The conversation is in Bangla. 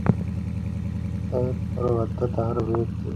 অতএব পরমাত্মা তাঁহার অভিব্যক্তিগুলি অপেক্ষা অনন্তগুণে বৃহৎ।